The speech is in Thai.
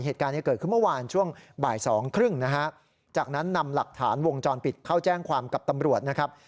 เหตุการณ์นี้เกิดขึ้นเมื่อวานช่วงบ่ายสองครึ่งนะฮะจากนั้นนำหลักฐานวงจรปิดเข้าแจ้งความกับตำรวจนะครับ